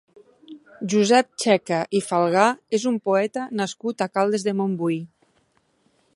Josep Checa i Falgà és un poeta nascut a Caldes de Montbui.